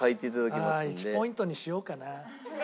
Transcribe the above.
ああ１ポイントにしようかな。